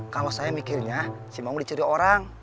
kalau saya mikirnya si maung dicuri orang